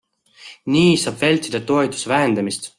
Nii saab vältida toetuse vähendamist.